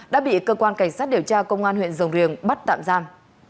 đã bị cơ quan cảnh sát điều tra công an huyện rồng riềng bắt tạm giam